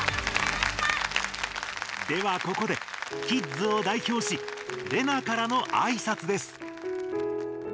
ではここでキッズをだいひょうしレナからのあいさつです。